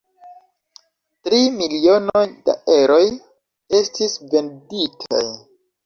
Tri milionoj da eroj estis venditaj.